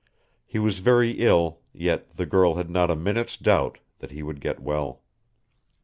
He was very ill, yet the girl had not a minute's doubt that he would get well.